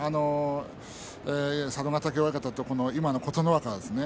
佐渡ヶ嶽親方と今の琴ノ若ですね